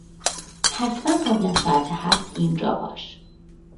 حتما قبل از ساعت هفت اینجا باش.